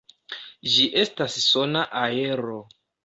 Ĝi estas sona aero.